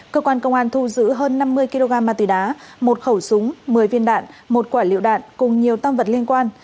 cơ quan công an thu giữ hơn năm mươi kg ma túy đá một khẩu súng một mươi viên đạn một quả liệu đạn cùng nhiều tâm vật liên quan